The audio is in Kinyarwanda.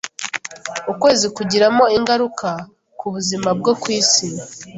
ukwezi kugiramo ingaruka ku buzima bwo ku isi